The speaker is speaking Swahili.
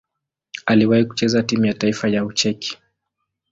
Aliwahi kucheza timu ya taifa ya Ucheki.